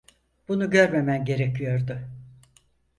Bunu görmemen gerekiyordu.